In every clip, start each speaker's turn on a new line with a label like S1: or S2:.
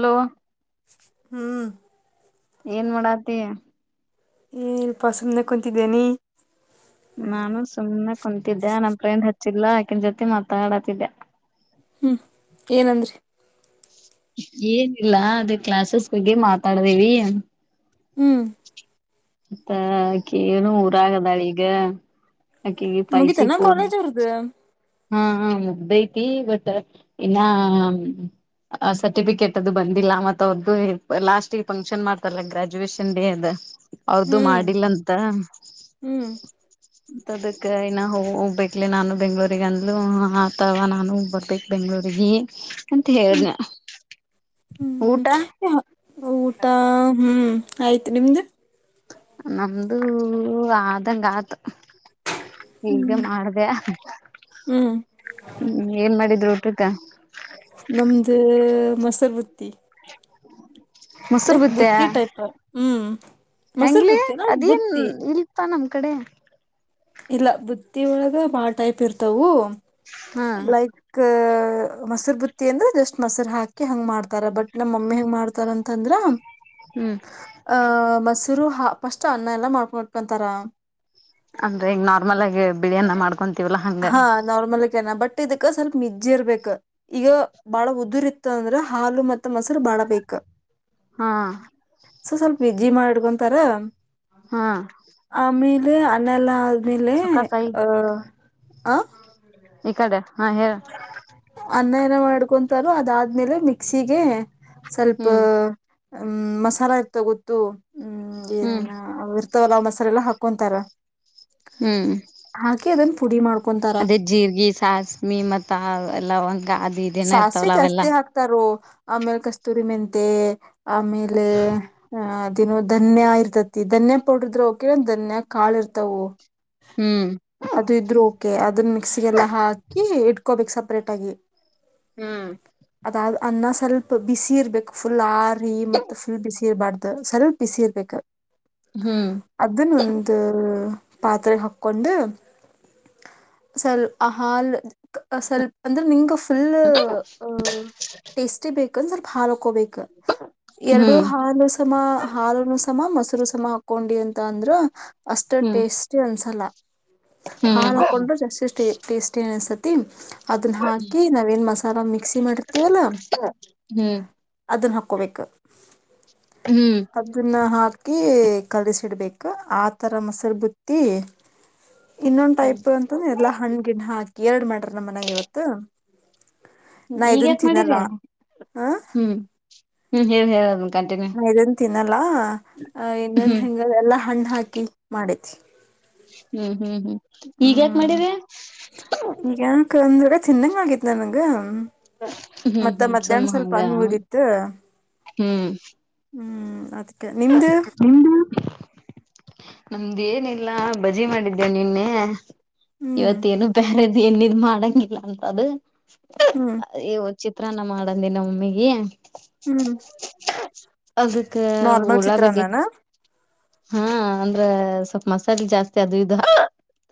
S1: Hello.
S2: ಹ್ಮ್.
S1: ಏನ್ ಮಾಡಾತಿ.
S2: ಏನಿಲ್ಪ ಸುಮ್ನೆ ಕುಂತಿದ್ದೇ ನೀ.
S1: ನಾನು ಸುಮ್ನೆ. ಕುಂತಿದ್ದೆ ನಮ್ಮ ಫ್ರೆಂಡ್ ಹತ್ತ. ಚಿಲ್ಲಾ ಆಕಿನ ಜೊತಿ ಮಾತಾಡತಿದ್ಯಾ.
S2: ಹ್ಮ್ ಏನಂದ್ರಿ.
S1: ಏನಿಲ್ಲ ಅದ ಕ್ಲಾಸಸ್ ಬಗ್ಗೆ ಮಾತಾಡ್ದೇವಿ.
S2: ಹ್ಮ್.
S1: ಮತ್ತ ಆಕಿ ಏನೋ ಊರಾಗದಾಳ ಈಗ. ಆಕಿಗೆ ಫೈ ಜಿ
S2: ಮುಗಿತನಾ
S1: ಫೋನ್
S2: ಕಾಲೇಜ್ ಇವರ್ದ.
S1: ಹಾ ಹಾ ಮುಗ್ದೈತಿ ಬಟ್ ಇನ್ನ ಸರ್ಟಿಫಿಕೇಟ್ ಅದು ಬಂದಿಲ್ಲ ಮತ್ತ ಅವ್ರ್ದು ಲಾಸ್ಟ್ ಫಂಕ್ಷನ್ ಮಾಡ್ತರಲ್ಲ ಗ್ರಾಜುಯೇಶನ್ ಡೇ ದ. ಅವ್ರದು
S2: ಹ್ಮ್
S1: ಮಾಡಿಲ್ಲಂತ.
S2: ಹ್ಮ್
S1: ತದಕ್ಕ ಇನ್ನ ಹೋಗ್ಬೇಕ್ಲೇ ನಾನು ಬೆಂಗ್ಳೂರು. ಗಂದ್ಲೂ ಆತವಾ ನಾನು ಬರ್ಬೇಕ ಬೆಂಗ್ಳೂರಿಗೀ ಅಂತ ಹೇಳಿದ್ನ್.
S2: ಹ್ಮ [inaudible] ಊಟಾ ಹ್ಮ್. ಆಯ್ತು ನಿಮ್ದು.
S1: ನಮ್ದು ಆದಂಗಾತ. ಈಗ ಮಾಡದ್ಯ.
S2: ಹ್ಮ್
S1: [inaudible] ಹ್ಮ್ ಏನ್ ಮಾಡಿದ್ರು. ಟಕ.
S2: ನಮ್ದ ಮೊಸರ ಬುತ್ತಿ.
S1: [inaudible] ಮೊಸರು
S2: ಲೈಕ್ ಬುತ್ತಿ ಟೈಪ್ ಹ್ಮ್. ಮೊಸರು
S1: ಹೆಂಗ್ಲೆ
S2: ಬುತ್ತಿನ
S1: ಅದೇನ್
S2: ಬುತ್ತಿ
S1: ಇಲ್ಪಾ ನಮ. ಕಡೆ
S2: ಇಲ್ಲ ಬುತ್ತಿಯೊಳಗ ಬಾಳ ಟೈಪ್ ಇರ್ತವು
S1: ಹಾ
S2: ಲೈಕ್ ಮೊಸರು ಬುತ್ತಿ ಅಂದ್ರೆ ಜಸ್ಟ್ ಮೊರು ಹಾಕಿ ಹಂಗ ಮಾಡ್ತಾರ ಬಟ್ ನಮ್ಮ ಮಮ್ಮಿ ಹೆಂಗೆ ಮಾಡ್ತಾರ ಅಂತಂದ್ರೆ
S1: ಹ್ಮ್
S2: ಆ ಮಸ ರು ಪಸ್ಟ್ ಅನ್ನ ಎಲ್ಲ ಮಾಡ್ಕೊಂಡಟ್ಕಂತಾರ
S1: ಅಂದ್ರೆ ಈಗ ನಾರ್ಮಲ್ ಆಗಿ ಬಿಳಿಯ್ಯಾನ ಮಾಡ್ಕೊಂತ ಇವಲ ಹಂಗ
S2: ಹಾ ನಾರ್ಮಲ್ ಬಟ್ ಇದಕ್ಕ ಸ್ವಲ್ಪ ಮಜ್ಜ ಇರ್ಬೇಕ್ ಈಗ ಬಾಳ ಉದುರಿ ಇತ್ತ ಅಂದ್ರ ಹಾಲು ಮತ್ತತ್ ಮೊಸರು ಬಾಳ ಬೇಕಕ್
S1: ಹಾ
S2: ಸೊ ಸ್ವಲ್ಪ ಮುದ್ದೆ ಮಾಡಿಡ್ಕೊಂತಾರ
S1: ಹಾ
S2: [unintelligible] ಅನಲ್ಲ ಆಮೇಲೆ
S1: ಸುಖ ಸಾಯಿ
S2: ಆಹ ಹ
S1: ಈ ಕಡೆ ಹಾ ಹೇಳ
S2: ಅನ್ನ ಏನ ಮಾಡ್ಕೊಂತಾರ ಅದಾದ್ಮೇಲೆ ಮಿಕ್ಸಿಗೆ ಸ್ವಲ್ಪ
S1: ಹ್ಮ್
S2: ಹ್ಮ್ ಮಸಾಲ ಇರ್ತಾ ಗೊತ್ತು ಹ್ಮ್
S1: ಹ್ಮ್
S2: ಏನೀನೇ ಅವರು ಪಲಾವ್ ಮಸಾಲೆಲ್ಲ ಹಾಕೊಂತಾರ
S1: ಹ್ಮ್
S2: ಹಾಗೆ ಅದಂತ ಪುಡಿ ಮಾಡ್
S1: ಅದೇ ಜೀರ್ಗ ಸಾಸ್ಮಿ ಮತ್ತೆ ತಾ ಎಲ್ಲ ಒಂದು
S2: ಸಾಸಿವಿ ಜಾಸ್ತಿ ಹಾಕ್ತಾರೋ ಆಮೇಲ್ ಕಸ್ತೂರಿ ಮೆಂತೆ ಆಮೇಲೆ ಅ ಧನ್ಯ ಇರ್ತತಿ ಧನ್ಯ ಪೌಡ್ರದ್ರ ಹೋಗಕಿರ ಧನ್ಯ ಕಾಳ ಇರ್ತವು
S1: ಹ್ಮ್
S2: ಅದು ಇದ್ರು ಓಕೆ ಅದನ್ನ ಮಿಕ್ಸಿಗೆಲ್ಲಾ ಹಾಕಿ ಇಟ್ ಕೋಬಿಕ್ ಸಪ್ರೇಟಾಗಿ
S1: ಹ್ಮ್
S2: ಅದಾದದು ಅನ್ನ ಸ್ವಲ್ಪ ಬಿಸಿ ಇರ್ಬೇಕು ಫುಲ್ ಆರ್ [unintelligible] ಮತ್ತೆ ಫುಲ್ ಬ್ಯುಸಿ ಇರ್ಬಾಡ್ದ ಸ್ವಲ್ಪ್ ಬಿಸಿರ್ಬೇಕು
S1: ಹ್ಮ್
S2: ಅದುನ್ನ ಒಂದು ಪಾತ್ರೆಗೆ ಹಾಕೊಂಡು ಸ್ವಲ್ ಆ ಹಾಲ್ ಸ್ವಲ್ಪ ಅಂದ್ರೆ ನಿಂಗ ಫುಲ್
S1: [unintelligible]
S2: [unintelligible] ಕೋಬೇಕ ಎರಡೂ
S1: ಹ್ಮ್
S2: ಹಾಲು ಸಮ ಹಾಲುನೂ ಸ ಸಮ ಮೊಸರು ಸಮ ಹಾಕೊಂಡಿ ಅಂತ ಅಂದ್ರ ಅಷ್ಟ
S1: ಹ್ಮ್
S2: ಟೇಸ್ಟಿ ಅನ್ಸಲ್ಲ ಹಾಲ್
S1: ಹ್ಮ್
S2: ಹಾಕೊಂಡ್ರ ಜಾಸ್ತಿಷ್ಟ ಟೇಸ್ಟಿ ಅನ್ಸತ್ತ್ ತಿ ಅದನ್ಹಾ ಕೀ ನಾವೇನ್ ಮಸಾಲ ಮಿಕ್ಸಿ ಮಾಡಿರ್ತೀವಲ್ಲ
S1: ಹ್ಮ್
S2: ಅದನ್ನ ಹ ಕ್ಕೋಬೇಕ್
S1: ಹ್ಮ್
S2: ಅದನ್ನ ಹಾ ಕಿ ಕಲ್ಸಿಡ್ಬೇಕು ಆ ಥರ ಮೊಸರು ಬುತ್ತಿ ಇನ್ನೊಂದ್ ಟೈಪ್ ಅಂತಂದ್ರೆ ಎಲ್ಲಾ ಹಣ್ ಗಿಣ್ ಹಾಕಿ ಎರಡ್ ಮಾಡ್ಯಾರ ನಮ್ಮನ್ಯಾಗ ಇವತ್ತು ನಾ
S1: ಈಗ
S2: ಇದನ್
S1: ಯಾಕ್
S2: ತಿನ್ನಲ್ಲ
S1: ಮಾಡಿರಿ
S2: ಹ
S1: ಹ್ಮ್ ಹ್ಮ್ ಹೇಳ ಹೇಳ ಅದನ್ ಕಂಟಿನ್ಯೂ
S2: ನಾ ಇದನ್ ತಿನ್ನಲ್ಲ ಇನ್ನೊಂದ
S1: ಹ್ಮ್
S2: ಹೆಂಗದೆ ಎಲ್ಲ ಹಣ್ಣು ಹಾಕಿ ಮಾಡೇತಿ
S1: ಹ್ಮ್ ಹ್ಮ್ ಹ್ಮ್ ಈಗ ಯಾಕ
S2: ಹ್ಮ್
S1: ಮಾಡಿರೀ
S2: ಯಾಕಂದ್ರೆ ತಿನ್ನಂಗ ಆಗಿತ್ತ ನನಗ
S1: ಹ್ಮ್ ಹ್ಮ್ ಸುಮ್ಮ ಹಂಗ
S2: ಉಳ್ದಿತ್ತು
S1: ಹ್ಮ್
S2: ಹ್ಮ್ ಅದ್
S1: ನಿಮ್ದ ನಮ್ದೇನಿಲ್ಲ ಬಜಿ ಮಾಡಿದ್ದೆ ನಿನ್ನೆ
S2: ಹ್ಮ್
S1: ಇವತ್ತೇನು ಬ್ಯಾರೆ ಏಣ್ಣೀದ್ ಮಾಡಂಗಿಲ್ಲ ಅಂತ ಅದು
S2: ಹ್ಮ್
S1: [unintelligible] ಚಿತ್ರಾನ್ನ ಮಾಡಂದೇ ನಾ ಮಮ್ಮಿಗೆ
S2: ಹ್ಮ್ ಮಾಡ್
S1: ಅದಕ್ಕ
S2: ನಾರ್ಮಲ್
S1: ಉಳ್ಳಾಗಡ್ಡಿ
S2: ಚಿತ್ರನ್ನಾನ
S1: ಹಾ ಅಂದ್ರ ಸ್ವಲ್ಪ ಮಸಾಲಿ ಜಾಸ್ತಿ ಅದು ಇದು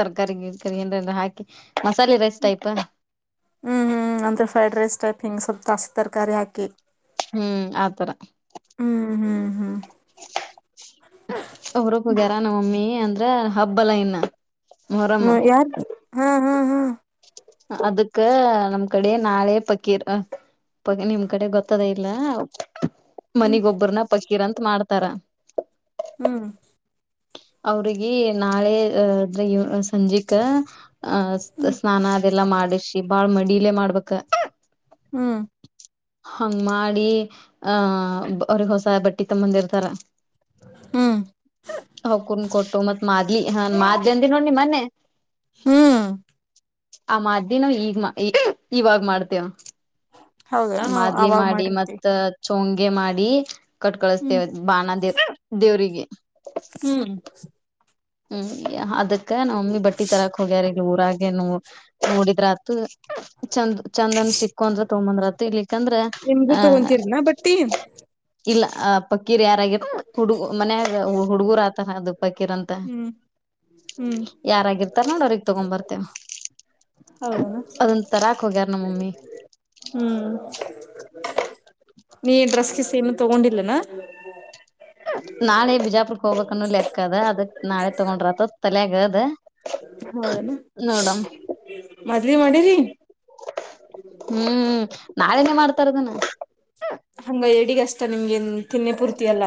S1: ತರಕಾರಿ ರ್ಗಿಕಾರಿ ಏನ್ರಲ್ಲ ಹಾಕಿ ಮಸಾಲಿ ರೈಸ್ ಟೈಪ್.
S2: ದಸ್ ತರಕಾರಿ ಹಾಕಿ.
S1: ಹ್ಮ್ ಆತರ
S2: ಹ್ಮ್ ಹ್ಮ್ ಹ್ಮ್
S1: ಒಬ್ಬ್ರೊಬ್ಬಗಾರ ನಮ್ಮಮ್ಮಿ. ಅಂದ್ರ ಹಬ್ಬಲ್ಲ ಇನ್ನ. ಮೊಹರಂ
S2: ಹ್ಮ ಯಾರ್ದ ಹಾ. ಹಾ ಹಾ
S1: ಅದಕ್ಕ ನಮ್ ಕಡೆ ನಾಳೆ ಪಕೀರ್ ಪ ನಿಮ್ ಕಡೆ ಗೊತ್ತದ ಇಲ್ಲ.
S2: ಹ್ಮ್
S1: ಮನಿಗೊಬ್ಬರನ ಪ. ಕಿರಂತ ಮಾಡ್ತಾರ.
S2: ಹ್ಮ್.
S1: ಅವ್ರಿಗೆ ನಾಳೆ ಅದ್ರ. ಸಂಜಿಕ ಆ ಸ್ನಾನ ಅದೆಲ್ಲಾ ಮಾಡ. ಷಿ ಬಾಳ್ ಮಡಿಲೆೇ ಮಾಡ್ಬೇಕ.
S2: ಹ್ಮ್.
S1: ಹಂಗ್ ಮಾಡಿ ಆಹ ಅವ್ರಿಗೆ ಹೊಸ ಬಟ್ಟಿ ತಂಬಂದಿರ್ತಾರ.
S2: ಹ್ಮ್.
S1: ಹ ಕುೂನ್ ಕೊಟ್ಟು ಮತ್ ಮಾದ್ಲಿ ಹಾ ಮಾದ್ಲಿ ಅಂದ ನೋಡ್ನಿ ಮೊನ್ನೆ.
S2: ಹ್ಮ್.
S1: ಆ ಮಾದ್ಲಿ ನೂ ಈಗ ಇವಾಗ ಮಾಡ್ತೇವ.
S2: ಹೌದಾ ನಾವ್
S1: ಮಾದ್ಲಿ
S2: ಅವಾಗ
S1: ಮಾಡಿ
S2: ಮಾಡಿರ್ತಿವಿ
S1: ಮತ್ತ. ಚೊಂಗೆ ಮಾಡಿ. ಕಟ್
S2: ಹ್ಮ್
S1: ಕಳಸತೆವ್ ಬಾನ. ದೇವ್ರಿರಿಗೆ.
S2: ಹ್ಮ.
S1: ಹ್ಮ್ ಅದ. ಕ್ಕ ನಮಮ್ಮಿ ಬಟ್ಟಿ ತರಾಕ್ ಹೋಗ್ಯಾರ ಊರಾಗೆ ನೋ ನೋಡಿದ್ರ ಆತ್ ಚಂದ ಚಂದನ್ ಸಿಕ್ಕಂದ್ರ ತೊಂಬಂದ್ರತ ಇಲಿಕ್ಕಂದ್ರ
S2: ನಿಮ್ಗೂ
S1: ಆಹ.
S2: ತಗೊಂತೀರಿನಾ ಬಟ್ಟಿ
S1: ಇಲ್ಲ ಆ ಪಕ್ಕೀರ್ ಯಾರಗಿರ. ಹುಡುಗು ಮನ್ಯಾಗ. ಹುಡುಗುರ ಆತಾರ ಅದು. ಪಕ್ಕೀರಂತ.
S2: ಹ್ಮ್ ಹ್ಮ್
S1: ನೋಡ್ ಅವ್ರಗ್ ತಗೊಂಡ್ ಬರ್ತೇವ
S2: ಹೌದನ
S1: ಅದನ್ ತರಾಕ್ ಹೋಗ್ಯಾರ ನಮ್ಮಮ್ಮಿ
S2: ಹ್ಮ್ಮ್ ನೀ ಡ್ರೆಸ್ ಗೀಸ್ ಏನ್. ತಗೊಂಡಿಲ್ಲನ.
S1: ನಾಳೆ ಬಿಜಾಪುರ್ಕ್ಕ ಹೋಗಬೇಕ್ ಅನ್ನು ಲೆಕ್ಕ ಅದಕ್ ನಾಳೆ ತಗೊಂಡ್ರಾತತ್ ತಲ್ಯಾಗ್ ಅದ. ನೋಡಮ.
S2: ಮಾದ್ವಿ ಮಾಡಿರಿ.
S1: ಹ್ಮ್ ನಾಳೆನೇ ಮಾಡ್ತಾರದನ.
S2: ಹಂಗ ಎಡಿಗಷ್ಟ ನಿಮ್ಗೆನ್ ತಿನ್ನೆ ಪೂರ್ತಿಯಲ್ಲ.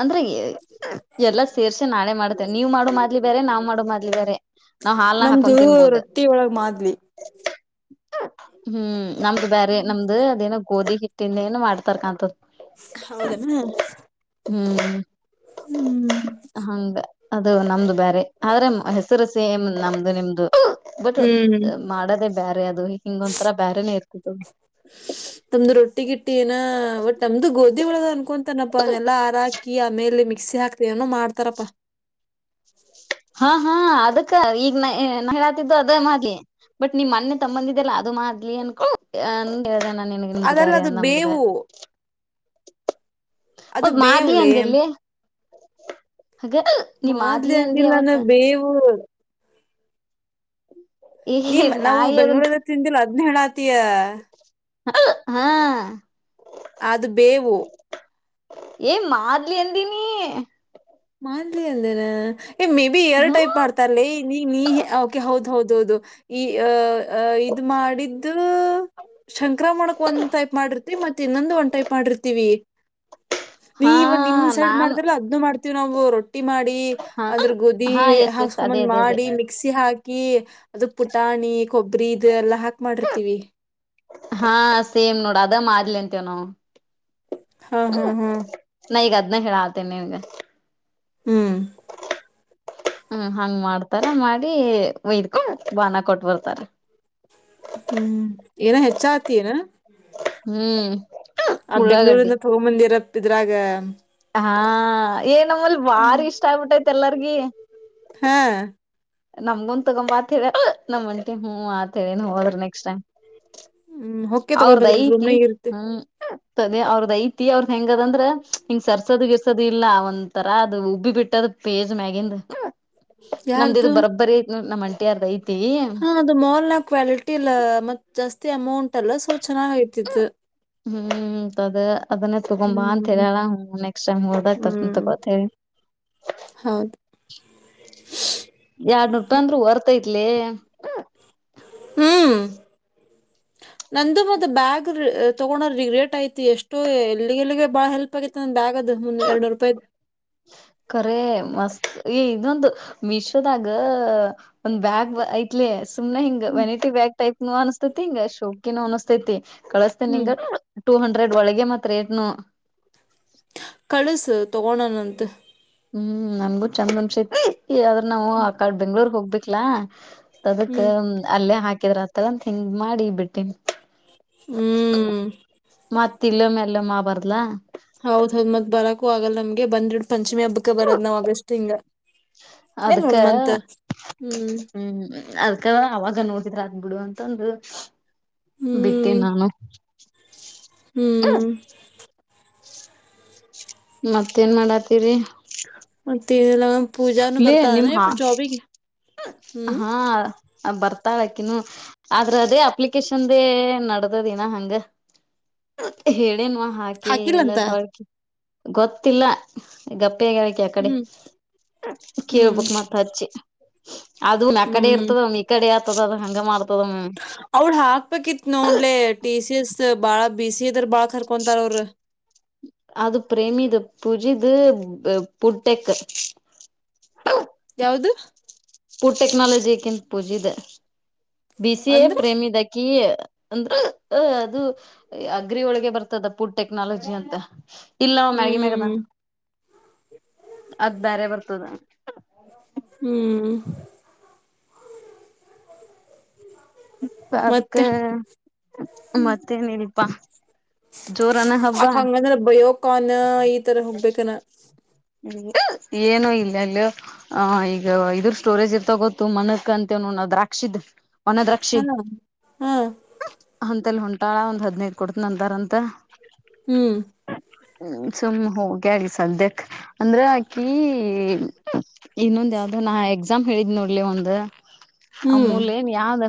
S1: ಅಂದ್ರೆ ಎಲ್ಲಾ ಸೇರ್ಸೆ ನಾಳೆ ಮಾಡ್ತೇನೆ ನೀವ್ ಮಾಡೋ ಮಾದ್ಲಿ ಬ್ಯಾರೆ ನಾವ್ ಮಾಡೋ ಮಾದ್ಲಿ ಬ್ಯಾರೆ.
S2: ನಮ್ದು ರೊಟ್ಟಿ ಒಳಗ್ ಮಾದ್ಲಿ.
S1: ಹ್ಮ್ ನಮ್ದು ಬೇರೆ, ನಮ್ದು ಅದೇನ ಗೋಧಿ ಹಿಟ್ಟಿಂದ ಏನು ಮಾಡ್ತಾರ ಕಂತದ
S2: ಹೌದನಾ
S1: ಹ್ಮ್ ಹಂಗ ಅದು ನಮ್ದು ಬೇರೆ, ಆದ್ರೆ ಹೆಸರು ಸೇಮ್ ನಮ್ದು ನಿಮ್ದು. ಬಟ್
S2: ಹ್ಮ್
S1: ಮಾಡೋದೇ ಬ್ಯಾರೆ ಅದು ಹಿಂಗೊಂತರ ಬ್ಯಾರೆನೇ ಇರ್ತದ
S2: ನಮ್ದು ರೊಟ್ಟಿ ಗಿಟ್ಟಿ ಏನ ಒಟ್ ನಮ್ದು ಗೋಧಿ ಒಳದ ಅನ್ಕೊಂತಾನ. ಅದೆಲ್ಲ ಹಾರಾಕಿ ಅಮೇ ಎಲ್ಲಿ ಮಿಕ್ಸಿ ಹಾಕ್ತಿ ಏನೋ ಮಾಡ್ತಾರಪ್ಪ.
S1: ಹಾ ಹಾ ಅದಕ್ಕ ಈಗ ನ ಹೇಳಾತಿದ್ದು ಅದೇ ಮಾಡ್ಲಿ ಬಟ್ ನಿಮ್ ಮೊನ್ನೆ ತಂಬಂದಿದ್ದೆಲ್ಲಾ ಅದು ಮಾಡ್ಲಿ ಅನ್ಕೊಂಡ ಗೆ ನಿಮದು
S2: ಅದಲ್ಲ
S1: ಬರ
S2: ಅದು
S1: ಯಂದ ನಮ್ದೇರೆ
S2: ಬೇವು ಅದು ಬೇವುಲೆೇ
S1: ಹಗ ನೀ
S2: ಮಾದ್ಲಿ
S1: ಅಂದಿ
S2: ಅಂದಿಲ್ಲಾನ
S1: ಅವತ್ತ
S2: ಬೇವು
S1: ಹ್ಮ
S2: ನಿಮ್ಮ ನಾವು ಬೆಂಗಳೂರ ತಿಂದಿಲ್ಲ. ನಡಾತಯ
S1: ಹ ಹಾ
S2: ಅದು ಬೇವು
S1: ಏ ಮಾಡ್ಲಿ ಎಂದಿನಿ.
S2: ಮಾನ್ರಿ ಅಂದೇನ ಮೇ ಬಿ ಎರಡು
S1: ಹ್ಮ
S2: ಟೈಪ್ ಮಾಡ್ತಾರಲ್ಲ ನೀ ನೀಕೆ ಹೌದ್ ಹೌದು. ಹೌದೌದು ಈ ಅ ಇದು ಮಾಡಿದ್ದು. ಸಂಕ್ರಾಮಣಕ್ ಒಂದ್ ಟೈಪ್ ಮಾಡಿರ್ತಿವಿ ಮತ್ತ ಇನ್ನೊಂದು ಒಂದ್ ಟೈಪ್ ಮಾಡಿರ್ತಿವಿ ನೀ
S1: ಹಾ
S2: ಇವ ನಿಮ್ ಸೈಡ್
S1: ನಾನು
S2: ಮಾಡ್ತಿರಲ್ಲ ಅದ ಮಾಡ್ತ. ತಿನ ಊರುಟ್ಟ ರಟ್ಟಿ ಮಾಡಿ
S1: ಹಾ
S2: ಅದ್ರ ಗದಿ
S1: ಹಾ ಎಸ್ ಎಸ್ ಅದೇ
S2: ಹಾಸ್ಕೊಂದ್
S1: ಅದೇ ಅದೇ
S2: ಮಾಡಿ ಮಿಕ್ಸಿ ಹಾಕಿ ಅದ ಪುಟಾಣಿ ಕೊಬ್ಬರಿ ಇ ಎಲ್ಲಾ ಹಾಕ್ ಮಾಡಿರ್ತೀವಿ.
S1: ಹಾ ಸೇಮ್ ನೋಡು ಅದ ಮಾಡ್ಲಿ ಅಂತೇವ್ ನಾವು.
S2: ಹಾ ಹಾ ಹಾ
S1: ಎ ಡಾತನನೆಗೆ
S2: ಹ್ಮ್
S1: ಹ್ಮ್ ಹಂಗ್ ಮಾಡ್ತಾರ ಮಾಡಿ ಒಯ್ದಕೊಂಡ ಬಾನ ಕೊಟ್ ಬರ್ತಾರ.
S2: ಹ್ಮ್ ಏನ ಹೆಚ್ಚ ಆತ ನ
S1: ಹ್ಮ್
S2: ಅದ್
S1: ಉಳ್ಳಾಗಡ್ಡಿ
S2: ಬೆಂಗ್ಗಳೂರಿಂದ ತಗೋ ಮಂದಿರತ್ತತ್. ಇದದುರಾಗ
S1: ಹಾ ಏನಮ್ಮಲ್ ಬಾರಿ ಇಷ್ಟ ಆಗ್ಬಿಟ್ಟೈತ್ ಎಲ್ಲಾರ್ಗಿ.
S2: ಹಾ
S1: ನಮ್ಗಂದ ತಗೊಂಬ ಮಾತವ ನಮಂಟಿ ಹ್ಮ್ ಆತೇವ ನೀ ಹೋದ್ರ ನೆಕ್ಸ್ಟ್ ಟೈಮ್
S2: ಹ್ಮ್ ಹೊಕ್ಕೆ
S1: ಅವ್ರದ
S2: ತಗೊಬಂದ್ಬಿಟ್ರು
S1: ಐತಿ
S2: ಸುಮ್ನೆಗ್ ಇರುತ್ತೆ
S1: ಹ್ಮ್ ಅದ ಅವ್ರದ ಐತಿ ಅವ್ರದ ಹೆಂಗ. ದಂದ್ರ ಹಿಂಗ್ ಸರ್ಸೋದ ಗಿರ್ಸದು ಇಲ್ಲಾ ಒಂದ ತರಾ ಅದು ಉಬ್ಬಿ ಬಿಟ್ಟದ್ ಪೇಜ್ ಮ್ಯಾಗಿಿಂದ, ನಮ್ದ ಇದು
S2: ಯಾರ್ದು
S1: ಬರಬ್ಬರಿ ನಮ್ಮಂ [unintelligible]
S2: ಹಾ ಅದು ಮಾಲ್ ನ ಕ್ವಾಲಿಟಿ ಇಲ್ಲ ಮತ್ ಜಾಸ್ತಿ ಅಮೌಂಟ್ ಎಲ್ಲ ಸೋಚನಾ ಆಯ್ತಿತ್ತು,
S1: ಹ್ಮ್ ಅದ ಅದನ್ನ ತಕೊಂಬ ಅಂತ ಹೇಳ
S2: ಹ್ಮ್
S1: ಅಳ ನೆಕ್ಸ್ಟ್ ಟೈಮ್ ಓಡದ್ತದಂತ
S2: ಹ್ಮ್
S1: ಗೊಿ
S2: ಹೌದು
S1: ಯಾರ್ ಬಂದ್ರು ಹೊರ್ತೈತ್ಲಿ,
S2: ಹ್ಮ್ ನ ಮ ಬ್ಯಾಗ್ ತಗೋ ರೇಟ್ ಆಯತಿ ಎಷ್ಟೋ ಎಲ್ಲಿಗೆ ಬಾಳ ಹೆಲ್ಪ್ ಆಗಿ ಬ್ಯಾಗ್, ಂದು ಎರಡ್ ನೂರು ರೂಪಾಯಿ
S1: ಏ ಇದೊಂದು ಮಿಶೋದಾಗ ಒಂದ್ ಬ್ಯಾಗ್ ಐತ್ಲಿ ಸು್ನೆ ಹಿಂಗ
S2: ಹ್ಮ್
S1: ವೆಿಟಿ ಬ್ಯಾ ಟೈಪ್ ಅನ್ತೈತಿ ಹಿಂಗ ಶೋಕಿನ ಅನಿಸ್ತೈತಿ ಕಳಸ್ತೇನ್
S2: ಹ್ಮ್
S1: ನಿಂಗಾರ ಟೂ ಹಂಡ್ರೆಡ್ ಒಳಗೆ ಮತ್ರ ಏನು
S2: ಕಳಸು ತಗೋಣನಂತ
S1: ಹ್ಮ್ ನನ್ಗು ಚಂದ ಅನ್ಸೈತಿ ಈ ಆದದ್ರ ನಾವು ಆ ಕಾಡ್ ಬೆಂಗ್ಳೂರ್ ಹೋಗಿ ಬಿಕಲಾ ಅದಕ್
S2: ಹ್ಮ್
S1: ಅಲ್ಲೇ ಹಾಕಿದ್ರ ತಲತ್ ಹಿಂಗ್ ಮಾಡಿ ಬಿಟ್ಟೆ
S2: ಹ್ಮ್
S1: ಮತ್ ಇಲ್ಲ ಮೇಲೆ ಮಾ ಬರ್ಲ,
S2: ಹೌದದ್ ಮತ್ ಬರಕು ಆಗಲ್ಲ ನಮ್ಗೆ ಬಂದ, ಪಂಚಮಿ ಹಬ್ಬಕ್ಕೆ ಬರದ್ ನಾವ್ ಆಗಸ್ಟ್ ಹಿಂಗ ಏನ್
S1: ಅದಕ್ಕ
S2: ಒಂದ್ ಮಂತ್ ಹ್ಮ್,
S1: ಈಗ ನೋಡಿದ್ರ ಆಗ್್ಬಿಡು ಅಂತ ಒಂದು ಬಿಟ್ಟೆ
S2: ಹ್ಮ್
S1: ನಾನು
S2: ಹ್ಮ್
S1: ಮತ್ತೇನ್ ಮಾಡಾತೀರಿ?
S2: ತೇಲ್ಲ
S1: ಲ್ಲೇ ನಿಮ ಹಾ
S2: ಹ್ಮ್
S1: ಹಾ ಬರ್ತಾಳಾಕಿನ ಆದ್ರ ಅದೇ ಅಪ್ಲಿಕೇಶನ್ದೆ ನಡ್ದದಿನ ಹಂಗ ಹೇಳ, ಅೇನು ಹಾಕಿ ಎಲ್ಲ
S2: ಹಾಕಿಲ್ಲಂತ
S1: ತೊಳ್ಕಿ, ಗೊತ್ತಿಲ್ಲ ಈಗಪ್ಪ?. ಪ್ಪೇಗಕ್ಕೆ ಅಕಡೆ.
S2: ಹ್ಮ್
S1: ಕೇಳ
S2: ಹ್ಮ್
S1: ಬುಕ್ ಮಾತಾ ಹಿ, [unintelligible] ಅದೂನ್ ಆ ಕಡೆ
S2: ಹ್ಮ್
S1: ಇರ್ತದವ ಈ ಕಡೆ, ಹಂಗ ಮಾಡ್
S2: ಅವ್ಳ ಹಾಕ್ಬೇಕಿತ್ ನೋಡ್ಲೆೇ ಟೀ, ಬ ಬಾಳ ಬಿಸಿ ಇದದ್ರ ಬಾಳ ಕರ್ಕೊಂತಾರ ಅವರು
S1: ಅದು ಪ್ರೇಮಿಿದ ಪುಜಿದ ಪುಟ್ಟೆಕ್,
S2: ಯಾವ್ದ
S1: ಪಫುಡ್ ಟೆಕ್ನಾಲಜಿಕ್ಕಿಂತ ಪೂಜ ಇದೆ, ಬಿಸಿ ಎ
S2: ಅಂದ್ರೆ
S1: ಪ್ರೇಮಿದಕ, ಅಂದ್ರೆ ಅದು ಅಗ್ರಿ ಒಳಗೆ ಬರ್ತದ ಫುಡ್ ಟೆಕ್ನಾಲಜಿ ಅಂತ [unintelligible] ಇಲ್ಲ ಮ್ಯಾಗಿ ಮ್ಯಾಗದ
S2: ಹ್ಮ್
S1: ಅದ್ ಬಾರೆ ಬರ್ತದ,
S2: ಹ್ಮ್
S1: ಇ
S2: ಮತ್ತೆ
S1: ಅದಕ್ಕೆ ಮತ್ತೆನ ಇನಪಾ
S2: ಅಕ ಹಂಗಂದ್ರ ಬಯೋಕಾನ್ ಈ ತರ ಹೋಗ್ಬೇಕನ
S1: ಏನು ಇಲ್ಲ ಅಲ್ಲಿ ಆ ಈಗ ಇದ್ರ ಸ್ಟೋರೇಜ್ ಇರ್ತ ಗೊತ್ತು ಮನಕ್ಕ ಅಂತ ನ ದ್ರಾಕ್ಷಿದ ಒನ ದ್ರಾಕ್ಷಿ
S2: ಹಾ ಹಾ
S1: ಮತ್ತಲ್ಲಿ ಹೊಂಟಾಳ ಒಂದ್ ಹದ್ೈದು ಕೊಡ್ತನ ಅಂತಾರಂತ
S2: ಹ್ಮ್
S1: ಹ್ಮ ಸುಮ್ ಹೋಗಿಗ ಸದೆ ಅಂದ್ರೆ ಅಕಿ ಇನ್ನೊಂದ ಯಾವ್ದೋ ನಾ ಎಕ್ಸಾಮ್ ಹೇಳಿದ್ ನೋಡ್ಲಿ ಒಂದ ಆ
S2: ಹ್ಮ್
S1: ಮೂಲ್ ಏನ್ ಯಾವ್ದ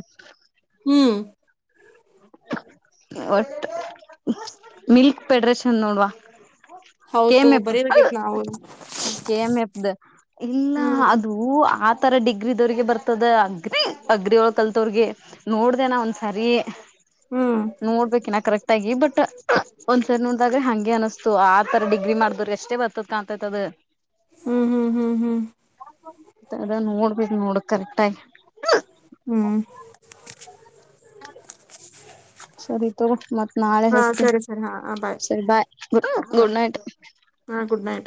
S2: ಹ್ಮ್
S1: ಒಟ್ಟ ಮಿಲ್ಕ್ ಪಫೆಡರೇಷನ್ ನೋಡ್ವಾ
S2: ಹೌದ್ ತಗೋ
S1: ಕೆಮೆಪ್
S2: ಬರಿಬೇಕೈತ್ ನಾವು
S1: ಕೆಮೆಪ್ದ ಇಲ್ಲ
S2: ಹ್ಮ್
S1: ಅದು ಆ ತರ ಡಿಗ್ರಿದವ್ರಿಗೆ ಬರ್ತದ ಅಗ್ರಿ ಅಗ್ರಿಿಯಳ ಕಲ್ತೋ್ರಿಗೆ ನೋಡ್ದೇನಾ ಒಂದ್ಸರಿ
S2: ಹ್ಮ್
S1: ನೋಡ್ಬೇಕಿನ ಕರೆಕ್ಟ್ ಆಗಿ ಬಟ್ ಒಂದ್ಸರಿ ನೋಡ್ದಾದ್ರೆ ಹಂಗೆ ಅನಿಸ್ತು ಆದ ಡಿಗ್ರಿ ಮಾಡಿದ್ ಎಷ್ಟು ಬರ್ತದ ಕಾಣ್ತೈತ್ ಅದ
S2: ಹ್ಮ್ ಹ್ಮ್ ಹ್ಮ್ ಹ್ಮ್
S1: ಅದ ನೋಡ್ಬ ನೋಡ್ ಕಕ್
S2: ಹ್ಮ್
S1: ಹ ಸರಿ ತ ಮತ್ತ್ ನಾಳೆ
S2: ಹಾ
S1: ಹಸ್ತ
S2: ಸರಿ ಸರಿ ಹಾ
S1: ಸರಿ ಬಾಯ್
S2: ಬಾಯ್
S1: ಗುಡ್ ನೈಟ್,
S2: ಹಾ ಗುಡ್ ನೈಟ್